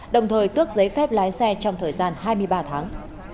đồng thời tước giấy phép lái xe trong thời gian hai mươi ba tháng